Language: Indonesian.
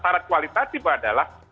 suara kualitatif adalah